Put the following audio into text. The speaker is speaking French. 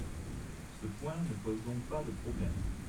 Ce point ne pose donc pas de problème.